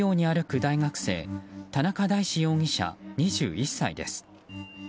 大学生田中大志容疑者、２１歳です。